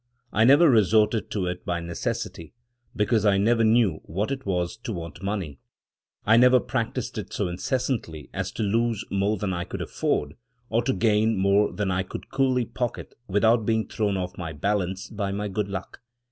I never resorted to it by necessity, because I never knew what it was to want money. I never practiced it so incessantly as to lose more than I could afford, or to gain more than I could coolly pocket without being thrown off my balance by my good luck.